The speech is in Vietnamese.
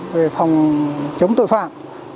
về phòng chống tội phạm